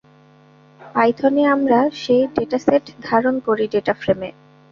পাইথনে আমরা সেই ডেটাসেট ধারন করি ডেটা ফ্রেমে।